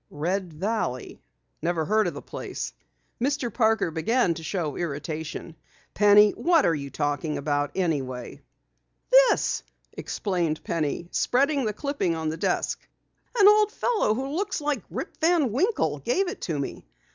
"Red Valley? Never heard of the place." Mr. Parker began to show irritation. "Penny, what are you talking about anyway?" "This," explained Penny, spreading the clipping on the desk. "An old fellow who looked like Rip Van Winkle gave it to me.